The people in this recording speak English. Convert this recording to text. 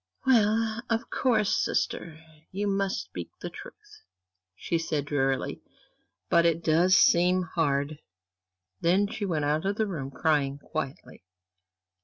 "Well, of course, sister, you must speak the truth," she said, drearily, "but it does seem hard." Then she went out of the room, crying quietly.